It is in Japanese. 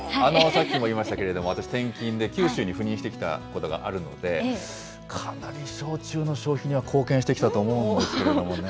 さっきも言いましたけれども、私、転勤で九州に赴任していたことがあるので、かなり焼酎の消費には貢献してきたと思うんですけれどもね。